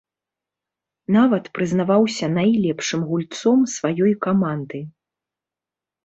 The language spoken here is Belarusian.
Нават прызнаваўся найлепшым гульцом сваёй каманды.